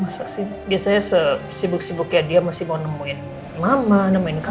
masa sih biasanya sibuk sibuknya dia masih mau nemuin mama nemuin kamu